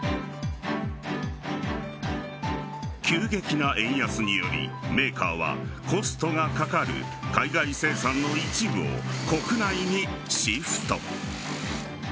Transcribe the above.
急激な円安によりメーカーはコストがかかる海外生産の一部を国内にシフト。